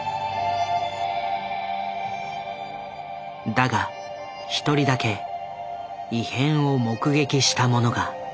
だが１人だけ異変を目撃した者が。